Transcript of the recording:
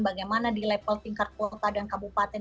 bagaimana di level tingkat kota dan kabupaten